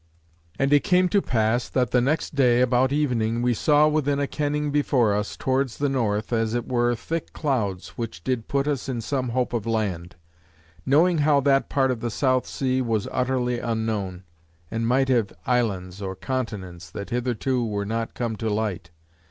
And it came to pass that the next day about evening we saw within a kenning before us, towards the north, as it were thick clouds, which did put us in some hope of land; knowing how that part of the South Sea was utterly unknown; and might have islands, or continents, that hitherto were not come to light.